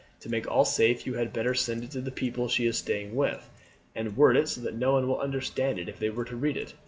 To make all safe you had better send it to the people she is staying with, and word it so that no one will understand it if they were to read it.